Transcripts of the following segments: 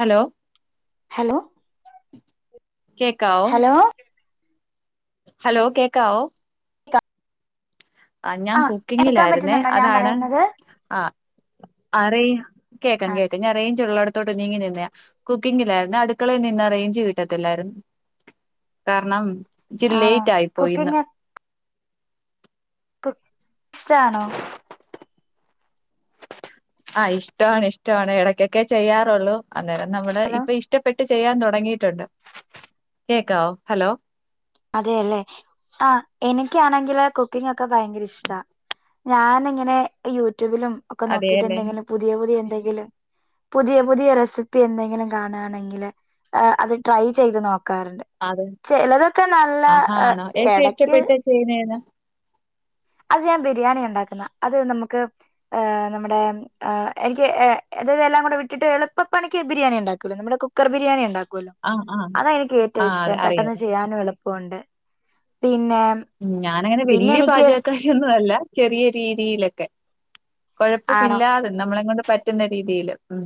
Hello hello കേക്കാവോ hello hello കേക്കാവോ ആ ഞാൻ എടുക്കാൻ കുക്കിങ്ങിലായിരുന്നേ പറ്റുന്നുണ്ടോ ഞാൻ അതാണ് പറയുന്നത് ആഹ് അറിയിം കേക്കാം ആ കേക്കാം ഞാൻറൈഞ്ച് ഉള്ളട തോട്ട് നീങ്ങി നിന്നേ കുക്കിങ്ങിലായിന്നു അടുക്കളയിൽ നിന്ന് റൈഞ്ച് കിട്ടത്തില്ലായിരുന്നു കാർണം ഇച്ചിരി ആണോ ലേറ്റ് ആയിപ്പോയി ന്ന് കുക്കിംഗ് ഇഷ്ടാണോ ആഹ് ഇഷ്ടവാണ് ഇഷ്ടവാണ് ഇടയ്ക്കൊക്കെ ചെയ്യാറുള്ളു അന്നേരം നമ്മള് ഹലോ ഇപ്പൊ ഇഷ്ടപ്പെട്ട് ട്ട് ചെയ്യാൻ തുടങ്ങിയിട്ടുണ്ട് കേക്കാവോ ഹലോ അതേ അല്ലേ ആ എനിക്കാണെങ്കില് കുക്കിംഗ് ഒക്കെ ഭയങ്കര ഇഷ്ടാ ഞാന്ങ്ങനെ യൂട്യൂബിലും ഒക്കെ നോക്കിട്ട് അതെയല്ലേ എന്തെങ്കിലും പുതിയ പുതിയ എന്തെങ്കിലും പുതിയ പുതിയ റെസിപ്പി എന്തെങ്കിലും കാണാണെങ്കില് അത് ട്രൈ ചെയ്ത് നോക്കാറുണ്ട് അതെ ചെലതൊക് ആഹാ ആണോ ഏറ്റം ഇഷ്ടപ്പെട്ട് ചെയ്യുന്നേതാ അത് ഞാൻ ബിരിയാണി ഉണ്ടാക്കുന്ന, അത് നമുക്ക് നമ്മുടെ ആ എനിക്ക്ഏ ഇതല്ലാം കൂടെ വിട്ടിട്ട് എളുപ്പ പണിക്ക് ബിരിയാണി ഉണ്ടാക്കൂല്ലോ നമ്മുടെ കുക്കർ ബിരിയാണി ഉണ്ടാ ക്കുവല്ലോ, ആ ആ അതാ എനിക്ക് ആ ഏറ്റവും അതെ, ഇഷ്ട്ടം അറിയാം പെട്ടെന്ന് ചെയ്യാനും എളുപ്പവുണ്ട് പിന്നെ ഉം ഞാനങ്ങനെ പിന്നെ വലിയ എനിക്ക് പാചകക്കാരി ഒന്നും അല്ല ചെറിയ രീതിയിലൊക്കെ ആണോ കൊഴപ്പമില്ലാതെ, നമ്മളെ കൊണ്ട് പറ്റുന്ന രീതിയില് ഉം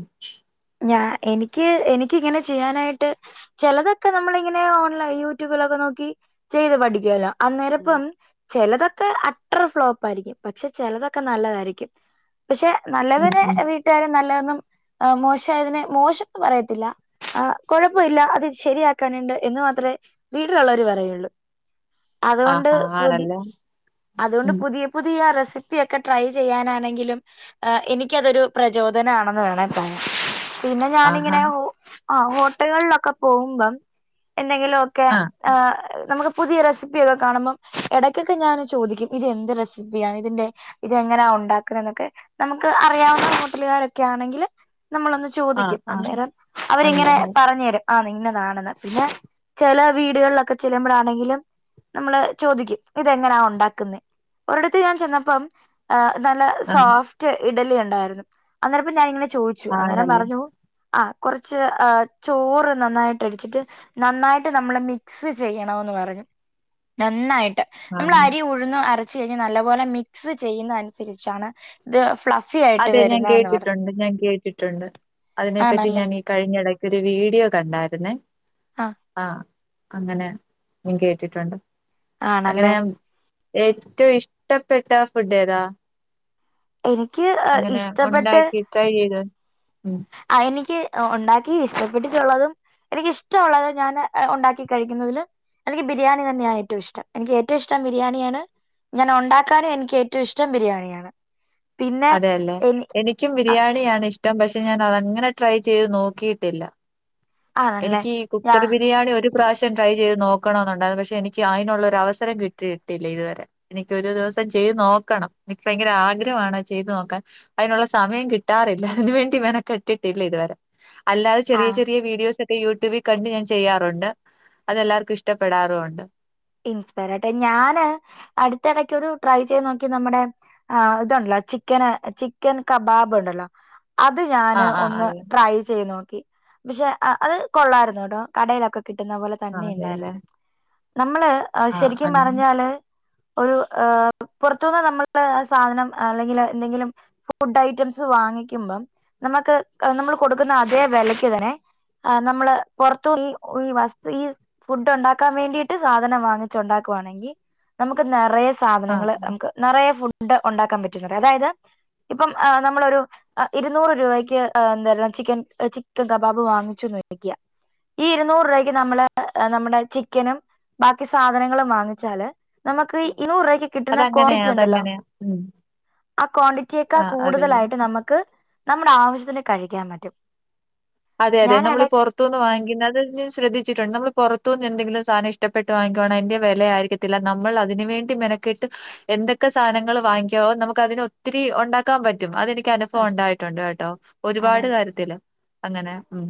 ഞാ എനിക്ക് എനിക്കിങ്ങനെ ചെയ്യാനായിട്ട് ചെലതൊക്കെ നമ്മളിങ്ങനെ ഓൺലൈ യൂട്യൂബിലൊക്കെ നോക്കി ചെയ്ത് പഠിക്കേല്ലോ? അന്നേരപ്പം ചെലതൊക്കെ അട്ടർ ഫ്ലോപ്പായിരിക്കും പക്ഷെ ചെലതൊക്കെ നല്ലതായിരിക്കും. പക്ഷെ ഉം നല്ലതിനെ ഉം വീട്ടുകാര് നല്ലതന്നും ആഹ് മോശ് ശായതിനെ മോശംന്ന് പറയത്തില്ല. ആ കൊഴപ്പമില്ല അത് ശരിയാക്കാനുണ്ട് എന്ന് മാത്രേ വീട്ടിലുള്ളവര് പറയൊള്ളൂ. അതുകൊണ്ട് ആഹാ പുതി ആണല്ലേ അതുകൊണ്ട് ഉം പുതിയ പുതിയ റെസിപ്പിയൊക്കെ ട്രൈ ചെയ്യാനാണെങ്കിലും ആഹ് എനിക്കതൊരു പ്രചോദനാണെന്ന് വേണേ പറയാം. പിന്നെ ആഹാ ഞാാനിങ്ങനെ ഹോ ആ ഹോട്ടൽകളിലൊക്കെ പോകുമ്പം എന്തെങ്കിലൊ ക്കെ ആഹ് നമുക്ക് പുതിയ റെസിപ്പിയൊക്കെ കാണുമ്പം എടക്കൊക്കെ ഞാന് ചോദിക്കും ഇത് എന്ത് റെസിപ്പിയാണ് ഇതിന്റെ ഇതെങ്ങനാ ഉണ്ടാക്കുന്നെന്നൊക്കെ നമുക്ക് അറിയാവുന്ന ഹോട്ടലുകാരൊക്കെ ആണെങ്കിൽ നമ്മളൊന്ന് ആഹ് ചോദിക്കും. ആഹ് അന്നേരം ആണല്ലേ അവരിങ്ങനെ പറഞ്ഞു തരും. ആന്നിന്നതാണെന്ന്. പിന്നെ ചെല വീടുകളിലൊക്കെ ചെല്ലുമ്പഴാണെങ്കിലും നമ്മള് ചോദിക്കും ഇതെങ്ങനാ ഉണ്ടാക്കുന്നേ. ഒരിടത്ത് ഞാൻ ചെന്നപ്പം ആഹ് നല്ല ആഹ് സോഫ്റ്റ് ഇഡലി ഉണ്ടായിരുന്നു അന്നേരപ്പം ഞാാനിങ്ങനെ ചോദിച്ചു അന്നേരം ആണല്ലേ പറഞ്ഞു ആഹ് കൊറച്ച് ചോറ് നന്നായിട്ടടിച്ചിട്ട് നന്നായിട്ട് നമ്മള് മിക്സ് ചെയ്യണോന്ന് പറഞ്ഞു. നന്നായിട്ട് നമ്മള് ആഹ് അരി ഉഴുന്നും അരച്ച കഴിഞ്ഞ നല്ലപോലെ മിക്സ് ചെയ്യുന്ന അനുസരിച്ചാണ് ഇത് ഫ്ലഫി ആയിട്ട് വരുന്നാന്ന് പറഞ്ഞു. അത് ഞാൻ കേട്ടിട്ടുണ്ട്. അയ്നെപ്പറ്റി ആണല്ലേ ഞാൻ ഈ കഴിഞ്ഞ എടയ്ക്ക് ഒരു വീഡിയോ കണ്ടായിരുന്നേ. ആഹ്. അങ്ങനെ ഞാൻ കേട്ടിട്ടുണ്ട്. അങ്ങനെ ആണല്ലേ ഏറ്റവും ഇഷ്ടപ്പെട്ട ഫുഡ് ഏതാ? എനിക്ക് ആഹ് അങ്ങനെ ഇഷ്ടപ്പെട്ട ഉണ്ടാക്കി ട്രൈ ചെയ്യാൻ. ഉം. ആ എനിക്ക് ഒണ്ടാക്കി ഇഷ്ടപ്പെട്ടിട്ടുള്ളതും എനിക്കിഷ്ടവുള്ളത് ഞാന് ഒണ്ടാക്കി കഴിക്കുന്നതില് എനിക്ക് ബിരിയാണി തന്നെയാ ഏറ്റോം ഇഷ്ടം. എനിക്ക് ഏറ്റവും ഇഷ്ടം ബിരിയാണിയാണ്. ഇങ്ങനെ ഒണ്ടാക്കാനും എനിക്ക് ഏറ്റവും ഇഷ്ടം ബിരിയാണിയാണ്. പിന്നെ അതേല്ലെ? എനി എനിക്കും ബിരിയാണിയാണിഷ്ടം പക്ഷെ ഞാനതങ്ങനെ ട്രൈ ചെയ്ത് നോക്കിയിട്ടില്ല. ആണല്ലേ എനിക്കീ ഞാ കുക്കറ് ബിരിയാണിയൊരു പ്രാവശ്യം ട്രൈ ചെയ്ത് നോക്കണോന്നുണ്ടായിരുന്നു പക്ഷെ എനിക്ക് അയിനുള്ളൊരു അവസരം കിട്ടിയിട്ടില്ല ഇതുവരെ. എനിക്കൊരു ദിവസം ചെയ്ത് നോക്കണം. എനിക്ക് ഭയങ്കര ആഗ്രഹവാണ് അത് ചെയ്ത് നോക്കാൻ. അയിനുള്ള സമയം കിട്ടാറില്ല അതിനു വേണ്ടി മെനക്കെട്ടിട്ടില്ല ഇതുവരെ. അല്ലാതെ ചെറിയ ആഹ് ചെറിയ വീഡിയോസ് ഈ യൂട്യൂബി കണ്ട് ഞാൻ ചെയ്യാറുണ്ട്. അതെല്ലാർക്കും ഇഷ്ടപ്പെടാറും ഉണ്ട്. ഇൻസ്പെയറായിട്ട്. ഞാന് അട്ത്തെടക്കൊരു ട്രൈ ചെയ്ത് നോക്കി നമ്മടെ ആഹ് ഇത്ണ്ടല്ലോ ചിക്കന് ചിക്കൻ കബാബ്ണ്ടല്ലോ? അത് ഞാന് ആഹ് ആഹ് ഒന്ന് അറിയാം. ട്രൈ ചെയ് നോക്കി. പക്ഷെ അ അത് കൊള്ളായിരുന്നു കേട്ടോ. കടയിലൊക്കെ കിട്ടുന്ന പോലെ. തന്നെ അതേല്ലേ? ഉണ്ടായിരുന്നു നമ്മള് ആഹ് ശരിക്കും പറഞ്ഞാല് ഒരു ഏഹ് പൊറത്തൂന്ന് നമ്മള് ആ സാധനം അല്ലെങ്കില് എന്തെങ്കിലും ഇപ്പൊ ഫുഡ് ഐറ്റംസ് വാങ്ങിക്കുമ്പം നമക്ക് ആഹ് നമ്മള് കൊടുക്കുന്ന അതേ വെലയ്ക്ക് തന്നെ ആഹ് നമ്മള് പൊർത്തു ഈ ഈ വസ്തു ഈ ഫുഡ് ഒണ്ടാക്കാൻ വേണ്ടി യിട്ട് സാധനം വാങ്ങിച്ചുണ്ടാക്കവാണെങ്കി നമുക്ക് നെറയേ സാധനങ്ങള് ആഹ് നമുക്ക് നെറയെ ഫുഡ് ഒണ്ടാക്കാൻ പറ്റുന്നുണ്ട് അതായത് ഇപ്പം ആഹ് നമ്മളൊരു അഹ് ഇരുന്നൂറ് രൂപയ്ക്ക് ഏഹ് എന്തായ്ര്ന്നു ചിക്കൻ ഏഹ് ചിക്കൻ കബാബ് വാങ്ങിച്ചൂന്ന് വെക്ക ഈ ഇരുന്നൂറ് രൂപക്ക് നമ്മള് ഏഹ് നമ്മടെ ചിക്കനും ബാക്കി സാധനങ്ങളും വാങ്ങിച്ചാല് നമുക്ക് ഇര്ന്നൂറ് രൂപക്ക് കിട്ടുന്ന അതങ്ങനെയാ ക്വാണ്ടിറ്റിയുണ്ടല്ലോ? അതങ്ങനെയാ. ഉം. ആ ക്വാണ്ടിറ്റിയേക്കാൾ ആഹ് അതെ. കൂടുതലായിട്ട് നമ്മക്ക് നമ്മുടെ ആവശ്യത്തിന് കഴിക്കാൻ പറ്റും. അതെ അതെ ഞാൻ എട നമ്മള് ഈ പൊറ് ത്തൂന്ന് വാങ്ങിക്കുന്നത് അത് ഞാൻ ശ്രദ്ധിച്ചിട്ട്ണ്ട് നമ്മൾ പൊറത്തൂന്ന് എന്തെങ്കിലു സാധന ഇഷ്ടപ്പെട്ട് വാങ്ങിക്കുവാണെ അയിന്റെ വെലയായിരി ക്കത്തില്ല നമ്മൾ അതിന് വേണ്ടി മെനക്കെട്ട് എന്തൊക്കെ സാനങ്ങള് വാങ്ങിക്കാവോ നമുക്ക് അതിനൊത്തിരി ഒണ്ടാ ക്കാൻ പറ്റും അതെനിക്ക് അനുഭവം അതെ ഒണ്ടായിട്ടുണ്ട് കേട്ടോ അതെ ഒരുപാട് അതെ കാര്യത്തില് അങ്ങനെ ഉം.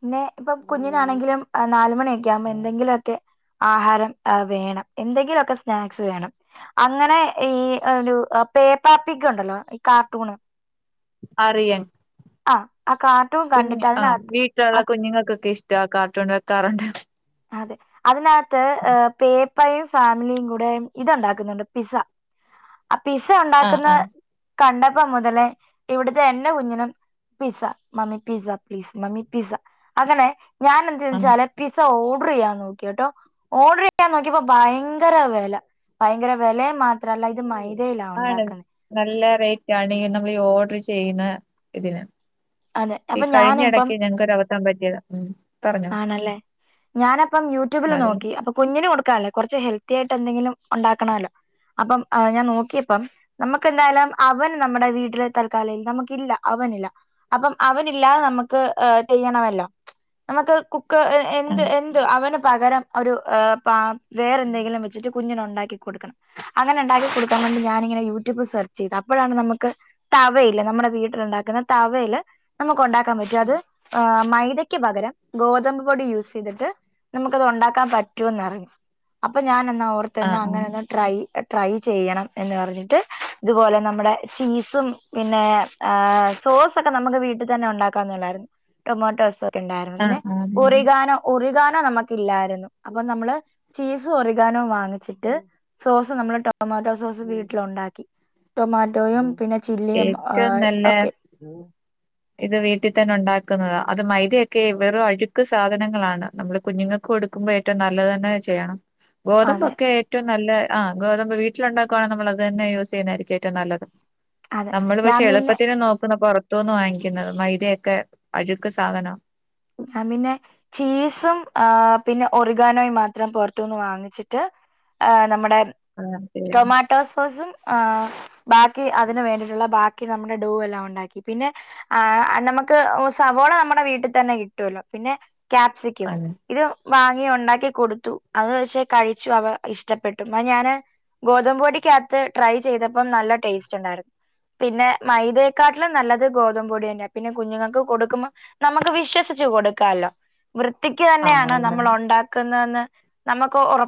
പിന്നെ ഇപ്പം കുഞ്ഞിനാണെങ്കിലും ആഹ് നാലുമണിയൊക്കെയാകുമ്പോ എന്തെങ്കിലൊക്കെ ആഹാരം ആഹ് വേണം എന്തെങ്കിലൊക്കെ സ്നാക്സ് വേണം. അങ്ങനെ ഈ ഒരു അ് പേ പാ പ്പിക്ക് ഒണ്ടല്ലോ? ഈ കാർട്ടൂണ്? അറിയെൻ ആഹ് ആ കാർട്ടൂൺ കണ്ടിട്ട് അതിന ട്ടൊള്ള കുഞ്ഞുങ്ങക്കൊക്കെ ഇഷ്ട ആ കാർട്ടൂൺ വെക്കാറുണ്ട്. അതെ അതിനകത്ത് അ് പേപ്പയും ഫാമിലിയും കൂടെ ഇത്ണ്ടാക്കുന്നുണ്ട് പിസ്സ. ആ പിസ്സ ആഹ്, ഒണ്ടാക്കുന്ന ആഹ്, കണ്ടപ്പം മുതല് ഇവിടുത്തെ എന്റെ കുഞ്ഞിനും pizza mummy pizza please mummy pizza അങ്ങനെ ഞാനെ എന്തെയ്തൂന്ന് ആഹ്. വെച്ചാല് പിസ്സ ഓർഡറെയ്യാൻ നോക്കിയെട്ടോ. ഓഡ്രയ്യാൻ നോക്കിയപ്പോ ഭയങ്കര വെല. ഭയങ്കര വെലയു മാത്രല്ല ഇത് മൈ ആണ് നല്ല റെയ്റ്റാണ് നമ്മളീ ഓർഡർ ചെയ്യ്ണ ഇതിന്. അതെ ഈ അപ്പൊ ഞാനിപ്പം കഴിഞ്ഞെടയ്ക്ക് ഞങ്ങക്കൊര് അബദ്ധം പറ്റിയത ഉം പറഞ്ഞോ ആണല്ലേ ഞാനപ്പം യൂട്യൂബില് അതെ. നോക്കി അപ്പൊ കുഞ്ഞിന് കൊടുക്കാല്ലേ കൊറച്ച് ഹെൽത്തി ആയിട്ടെന്തെങ്കിലും ഒണ്ടാക്കണല്ലോ? അപ്പം ആഹ് ഞാൻ നോക്കിയപ്പം. നമുക്കെന്തായാലും ഓവൻ നമ്മുടെ വീട്ടിലെ തൽക്കാലെയ് നമുക്കില്ല അവനില്ല. അപ്പം അവനില്ലാതെ നമക്ക് അ് ചെയ്യണമല്ലോ. നമുക്ക് കുക്ക് എഎന്ത് ആഹ്, എൻ- ന്ത് അവന് പകരം ഒരു അ് പ വേറെന്തെങ്കിലു വെച്ചിട്ട് കുഞ്ഞിനുണ്ടാക്കി കൊടുക്കണം. അങ്ങനെണ്ടാക്കി കൊടുക്കാൻ വേണ്ടി ഞാനിങ്ങനെ യൂട്യൂബ് സെർച്ചെയ്ത് അപ്പഴാണ് നമ്മക്ക് തവയില് നമ്മടെ വീട്ടിലുണ്ടാക്കുന്ന തവയില് നമുക്കുണ്ടാക്കാൻ പറ്റും അത് അ് മൈദയ്ക്ക് പകരം ഗോതമ്പ് പൊടി യൂസെയ്തിട്ട് നമ്മുക്കത് ഉണ്ടാക്കാൻ പറ്റൂന്ന് അപ്പൊ ഞാനെന്നാ ഓർത്ത് ന്ന് ആഹ്, ആഹ്. അങ്ങനെ ഒന്ന് ട്രൈ ട്രൈ ചെയ്യണം എന്ന് പറഞ്ഞിട്ട് ഇതുപോലെ നമ്മുടെ ചീസും പിന്നെ അ് സോസൊക്കെ ട്ട് നമുക്ക് വീട്ട് തന്നെ ഉണ്ടാക്കാന്ന്ള്ളായിരുന്നു ടൊമാറ്റോസ്സൊക്കെ ഉണ്ടായിരുന്നു ആഹ് പിന്നെ ആഹ് ഒറിഗാനോ ഒറിഗാനോ നമുക്കില്ലായിരുന്നു. അപ്പൊ നമ്മള് ചീസ് ഒറിഗാനോ വാങ്ങിച്ചിട്ട് സോസ് നമ്മള് ടൊമാറ്റോ സോസ് വീട്ടിലുണ്ടാക്കി. ടൊമാറ്റോയും പിന്നെ ചില്ലിയും അ് ഏറ്റവും നല്ല ഓക്കെ ഇത് വീട്ടിതന്നെ ഉണ്ടാക്കുന്നതാ. അത് മൈദയൊക്കെയും വെറും അഴുക്ക് സാധനങ്ങളാണ് നമ്മള് കുഞ്ഞുങ്ങ കൊടുക്കുമ്പോ ഏറ്റും നല്ലത് തന്നെ ചെയ്യണം. അതെ ഗോതമ്പൊക്കെ ഏറ്റു നല്ല ആഹ് ഗോതമ്പ് വീട്ടിലുണ്ടാക്കുകവാ നമ്മളത് തന്നെ യൂസ് ചെയ്യുന്നതായിരിക്കും ഏറ്റം നല്ലത്. അതെ നമ്മള് പക്ഷെ ഞാൻ പിന്നെ എളുപ്പത്തിന് നോക്കുന്ന പൊറത്തൂന്ന് വാങ്ങിക്കുന്ന മൈദൊയൊക്കെ അഴുക്ക് സാധന. ന്നാപിന്നെ ചീസും ആഹ് പിന്നെ ഒറിഗാനോയും മാത്രം പൊറ്ത്തൂന്ന് വാങ്ങിച്ചിട്ട് ആ നമ്മുടെ ആ പിന്നെ ടസ്ഫാസും ബാക്കി അതിന് വേണ്ടിയിട്ടുള്ള ബാക്കി നമ്മുടെ ഡൂ എല്ലാംഉണ്ടാക്കി. പിന്നെ ആഹ് നമുക്ക് ഒസവോള നമ്മടെ വീട്ട് തന്നെ കിട്ടോല്ലോ പിന്നെ കാപ്സ്ക്യം. ആഹ് ഇത് വാങ്ങി ഉണ്ടാക്കി കൊടുത്തു അത് വെച്ച് കഴിച്ചു അവ ഇഷ്ടപ്പെട്ടു. മ്മ ഞാന് ഗോതമ്പൊടിക്കാത്ത് ട്രൈ ചെയ്തപ്പം നല്ല ടേസ്റ്റുണ്ടായിരുന്നു. പിന്നെ മൈതയക്കാട്ടിലും നല്ലത് ഗോതമ്പൊടിയെന്നെ പിന്നെ കുഞ്ഞുങ്ങക്ക് കൊടുക്കുമ്പോ നമ ക്ക് വിശ്വസിച്ചു കൊടുക്കാല്ലോ. വൃത്തിക്ക് തന്നെയാണ് നമ്മളുണ്ടാക്കുന്നെന്ന് നമ്മക്ക് ഒറ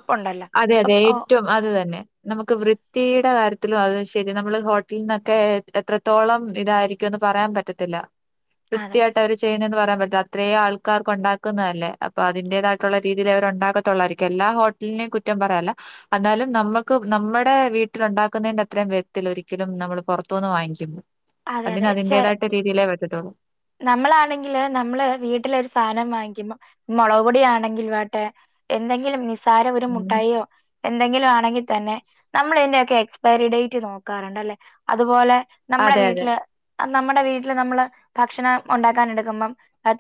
അതെ അതെ ഏറ്റവും അത് തന്നെ. നമുക്ക് വൃത്തീടെ കാര്യത്തിലും ശരി നമ്മള് ഹോട്ടൽന്നൊക്കെ എത്രത്തോളം ഇതായിരിക്കും. ക്ക് അത് പറയാൻ പറ്റത്തില്ല. അതെ കൃത്യായിട്ടവര്. ചെയ്യ്ണന്ന് പറയാൻ പറ്റോ. അത്രേ ആൾക്കാർക്കൊണ്ടാക്കുന്നല്ലേ. അപ്പൊ അതിന്റെതായിട്ടുള്ള രീതിയിലെ അവരൊണ്ടാക്കത്തൊള്ളായിരിക്കും. ക്ക് എല്ലാ ഹോട്ടലിനേം കുറ്റം പറയാല്ല. എന്നാലും നമ്മക്ക് നമ്മടെ വീട്ടിലൊണ്ടാക്ക്ന്നേന്റെ അത്രയും വെരത്തില്ല ഒരിക്കലും നമ്മള് പൊറത്തൂന്ന് വാങ്ങിക്കു അതെ അതിന് അതെ ചെ അതിന്റെതായിട്ടുള്ള രീതിയിലെ വെട്ടത്തൊള്ളൂ നമ്മളാണെങ്കില് നമ്മള് വീട്ടിലൊരു സാധനം വാങ്ങിക്കുമ്പോ മുളക് പൊടാണെങ്കിൽ വട്ടെ എന്നെങ്കിലും നിസ്സാര ഒരു ഉം. മുട്ടായിയോ. എന്തെങ്കിലും ആണെങ്കി തന്നെ നമ്മൾ ഈന്റൊക്കെ എക്സ്പയറി ഡേറ്റ് നോക്കാറുണ്ട്ല്ലേ അതുപോലെ നമ്മളെ അതെ അതെ വീട്ടില് നമ്മടെ വീട്ടില് നമ്മള്. ഭക്ഷണം ഒണ്ടാക്കാനെടുക്കുമ്പം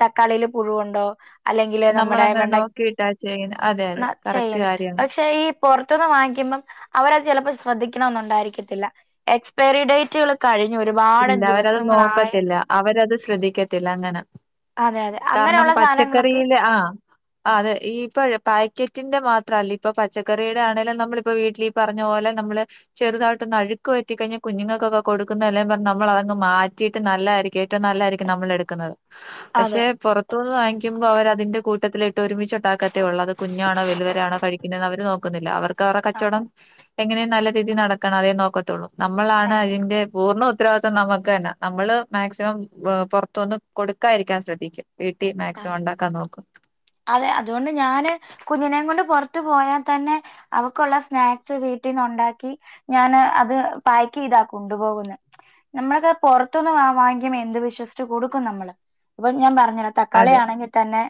തക്കാളിയില് പുഴുവുണ്ടോ. അല്ലെങ്കില് നമ്മടെ നമ്മളങ്ങനെ വെണ്ട നോക്കിയിട്ടാ ചെയ്യുന്നെ അതെ ന്ന അതെ കറക്റ്റ് ചെയ്യുന്നെ കാര്യാണ് പക്ഷെ ഈ പൊറത്ത്ന്ന് വാങ്ങിക്കുമ്പം അവരത് ചെലപ്പോ ശ്രദ്ധിക്കണന്നു ണ്ടായിരിക്കത്തില്ല. എക്സ്പയറി ഡേറ്റുകള് കഴിഞ്ഞ് ഒരുപാട് ഇല്ല അവരത് ദിവസങ്ങളായ. നോക്കത്തില്ല അവരത് ശ്രദ്ധിക്കത്തില്ല അങ്ങനെ. അതെ അതെ കാരണം അങ്ങനെയുള്ള സാധനങ്ങളൊക്കെ പച്ചക്കറിയില് ആ ആഹ്. അതെ ഈപ്പം പാക്കറ്റിന്റെ മാത്രല്ല ഇപ്പൊ പച്ചക്കറിടെ ആണേലും നമ്മളിപ്പോ വീട്ടിലി പറഞ്ഞ പോലെ നമ്മള് ചെറുതായിട്ടൊന്ന് അഴുക്ക് പറ്റി കഴിഞ്ഞാ കുഞ്ഞുങ്ങക്കൊക്കെ കൊടുക്കുന്ന എല്ലാം പ നമ്മളതങ്ങ് മാറ്റിയിട്ട് നല്ലായിരിക്കും ഏറ്റവും നല്ലായിരിക്കും നമ്മൾ എടുക്കുന്നത്. അതെ പക്ഷെ പൊറ ത്തൂന്ന് വാങ്ങിക്കുമ്പോ അവരതിന്റെ കൂട്ടത്തിലിട്ട് ഒരുമിചു ണ്ടാക്കത്തേള്ളൂ. അത് കുഞ്ഞാണോ വലുവരാണോ കഴിക്കുന്നത് അവര് നോ ത്തില്ല. അവർക്ക് അവരുടെ അതെ കച്ചവടം എങ്ങനെയും നല്ല രീതിൽ നടക്കണം. അതേ നോക്കത്തുള്ളൂ നമ്മളാണ് അതെ അതിൻ്റെ പൂർണ്ണ ഉത്തരവാദിത്വം നമക്ക് തന്നാ. നമ്മള് മാക്സിമം പൊറത്തൂന്ന് കൊടുക്കാതിരിക്കാൻ ശ്രദ്ധക്ക. വീട്ടി മാക്സിമം അതെ ഉണ്ടാക്കാൻ നോക്ക്. അതെ. അതോണ്ട് ഞാന്. കുഞ്ഞിനേം കൊണ്ട് പൊറത്തു പോയാതന്നെ അവക്കുള്ള സ്നാക്സ് വീട്ടിന്നുണ്ടാക്കി ഞാന് അത് പായ്ക്കെയ്താ കൊണ്ടുപോകുന്നെ. നമ്മളൊക്കെ പൊറത്തൂന്ന് വാങ്ങിക്കുമ്പോ എന്ത് വിശ്വസിച്ച് കൊടുക്കും നമ്മള്. പ്പൊ ഞാൻ പറഞ്ഞര. അതെ തക്കാളിയാണെങ്കി തന്നെ.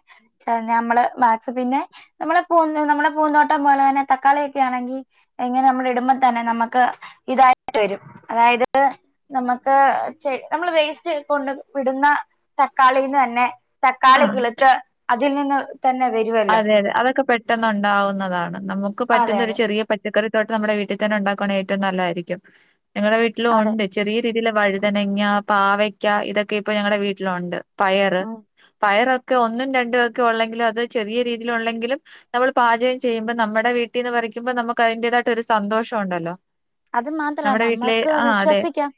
നമ്മള് [unintelligible] നമ്മളെ പൂ നമ്മടെ പൂന്തോട്ടം പോലെ തന്നെ തക്കാളിയൊക്കെ ആണെങ്കി. എങ്ങനെ നമ്മളിടുമ്പ തന്നെ നമ്മക്ക് ഇതായിട്ട് വരും. അതായത് നമ്മക്ക് നമ്മള് വേസ്റ്റ് കൊണ്ട് ഇടുന്ന തക്കാളിന്ന് തന്നെ തക്കാളി ആഹ് കിളിത്ത് അതിൽ നിന്ന് തന്നെ വെ അതെ അതെ അതൊക്കെ പെട്ടെന്നുണ്ടാവുന്നതാണ്. നമുക്ക് അതെ പറ്റുന്ന ഒരു അതെ ചെറിയ പച്ചക്കറി തോട്ടം നമ്മുടെ വീട്ടി തന്നെ ഉണ്ടാക്കുണെങ്കി ഏറ്റവും നല്ലായിരിക്കും. ഞങ്ങടെ വീട്ടിലും അതെ ഉണ്ട്. ചെറിയ രീതിയില് വഴുതനങ്ങ, പാവയ്ക്ക ഇതൊക്കെ ഇപ്പൊ ഞങ്ങളടെ വീട്ടിലുണ്ട്. പയറ് ഉം പയറൊക്കെ ഒന്നും രണ്ടും ഒക്കെ ഒള്ളെങ്കിലും അത് ചെറിയ രീതിൽ ഉള്ളെങ്കിലും നമ്മള് പാചകം ചെയ്യുമ്പോ നമ്മടെ വീട്ടീന്ന് പറിക്കുമ്പോ നമുക്ക് അതിന്റേതായിട്ട് ഒരു സന്തോഷം ഉണ്ടല്ലോ. അത് മാത്രാ നമ്മുടെ വീട്ടിലെ നമ്മൾക്ക് ആഹ് അതെ. വിശ്വസിക്കാം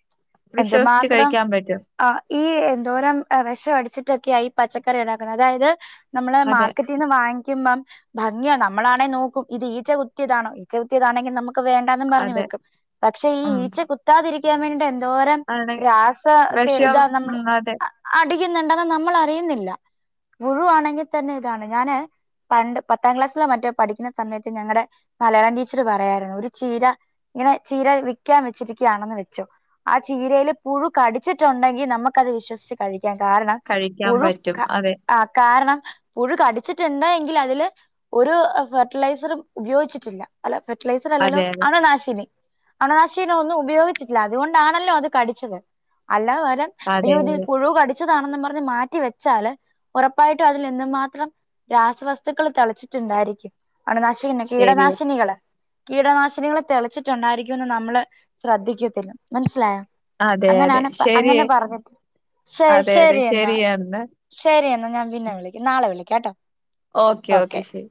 വിശ്വസിച്ച് എന്തുമാത്രം കഴിക്കാൻ പറ്റും. ആഹ്. ഈ എന്തോരം വെഷടിച്ചിട്ടൊക്കെയ ഈ പച്ചക്കറി ഉണ്ടാക്കുന്നത്. അതായത് നമ്മള് അതെ മാർക്കറ്റ് ന്ന് വാങ്ങിക്കുമ്പം ഭംഗിയ. നമ്മളാണെ നോക്കും. ഇത് ഈച്ച കുത്തിയതാണോ? ഈച്ച കുത്തിയതാണെങ്കി നമുക്ക് വേ ന്നും പറഞ്ഞ് അതെ വെക്കും. പക്ഷെ ഉം ഈച്ച കുത്താതിരിക്കാൻ വേണ്ടിട്ടെ എന്തോരം ആണെങ്കി രാസ ക്കെ വിഷം ഇതാ നമ്മള് ഉം അതെ അടിക്കുന്നുണ്ടെന്ന് നമ്മൾ അറിയുന്നില്ല. പുഴുവാണെങ്കിത്തന്നെതാണ് ഞാന് പണ്ട് പത്താം ക്ലാസ്സിലോ മറ്റോ പഠിക്കുന്ന സമയത്ത് ഞങ്ങടെ മലയാളം ടീച്ചർ പറയുമായിരുന്നു. ഒരു ചീര ഇങ്ങനെ ചീര വിക്കാൻ വെച്ചിരിക്കുകയാണെന്ന് വെച്ചോ ആ ചീരയില് പുഴു കടിച്ചിട്ടുണ്ടെങ്കി നമുക്കത് വിശ്വസിച്ച് കഴിക്കാം. കാരണം കഴിക്കാൻ പുഴു പറ്റും ക അതെ കാരണം പുഴു കടിച്ചിട്ടുണ്ട് എങ്കിൽ അതില് ഒരു ഫെർട്ടിലൈസറും ഉപയോഗിച്ചിട്ടില്ല. അല്ല ഫെർട്ടിലൈസർ അല്ലല്ലോ? അതെ അതെ അത് നാശ അണുനാശീനൊന്നും ഉപയോഗിച്ചിട്ടില്ല. അതുകൊണ്ടാണല്ലോ അത് കടിച്ചത്. അല്ല അതെ അയ്യോതില് അതെ പുഴു കടിച്ചതാണന്നും പറഞ്ഞ് മാറ്റിവെച്ചാല് ഉറപ്പായിട്ടും അതിൽ എന്ത് മാത്രം രാസവസ്തുക്കൾ തളച്ചിട്ടുണ്ടായിരിക്കും അണുനാശി പിന്നെ ശരിയാ കീടനാശിനികള് കീടനാശിനികെ തെളച്ചിട്ട് ണ്ടായിരികൊന്ന് നമ്മള് ശ്രദ്ധിക്കത്തില്ല മനസ്സിലായോ അതെ അതെ അങ്ങനാണ്പ്പ ശരി അങ്ങനെ പറഞ്ഞിട്ട് ശെരി അതെ അതെ ശെരി എന്നാ ശരിയെന്നാ ശെരി എന്നാ ഞാൻ പിന്നെ വിളിക്ക നാളെ വിളിക്കാട്ടോ ഓക്കെ ഓക്കെ ശെരി